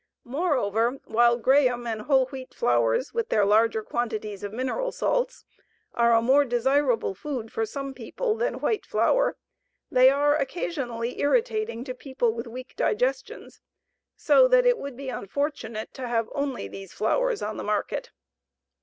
Moreover, while Graham and whole wheat flours with their larger quantities of mineral salts are a more desirable food for some people than white flour, they are occasionally irritating to people with weak digestions, so that it would be unfortunate to have only these flours on the market.